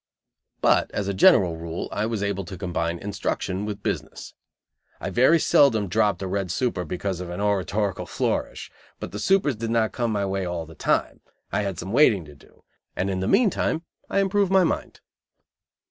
But as a general rule, I was able to combine instruction with business. I very seldom dropped a red super because of an oratorical flourish; but the supers did not come my way all the time, I had some waiting to do, and in the meantime I improved my mind.